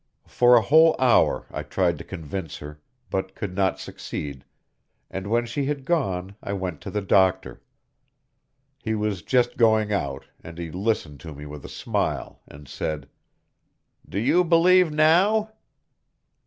For a whole hour I tried to convince her, but could not succeed, and when she had gone I went to the doctor. He was just going out, and he listened to me with a smile, and said: "Do you believe now?"